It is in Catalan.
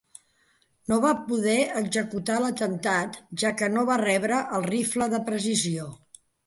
No va poder executar l'atemptat, ja que no va rebre el rifle de precisió.